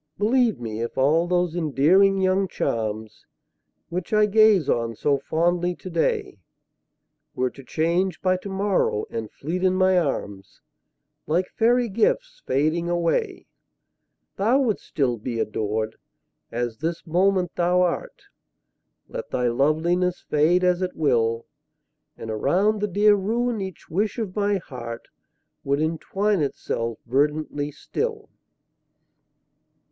Believe me, if all those endearing young charms, Which I gaze on so fondly today, Were to change by to morrow, and fleet in my arms, Like fairy gifts fading away, Thou wouldst still be adored, as this moment thou art. Let thy loveliness fade as it will. And around the dear ruin each wish of my heart Would entwine itself verdantly still.